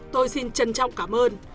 tôi xin trân trọng cảm ơn